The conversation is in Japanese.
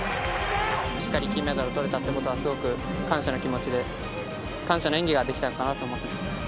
しっかり金メダルとれたってことは、すごく感謝の気持ちで、感謝の演技ができたのかなと思ってます。